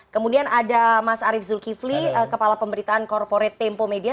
kemudian ada mas arief zulkifli kepala pemberitaan korporat tempo media